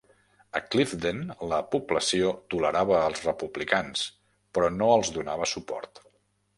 A Clifden, la població tolerava els republicans però no els donava suport.